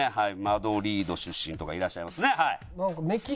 マドリード出身とかいらっしゃいますねはい。